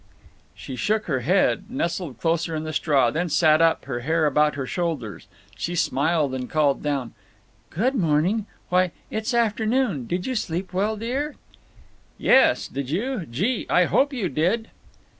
She shook her head, nestled closer into the straw, then sat up, her hair about her shoulders. She smiled and called down: "Good morning. Why, it's afternoon! Did you sleep well, dear?" "Yes. Did you? Gee, I hope you did!"